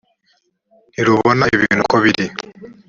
ntirubona ibintu uko biri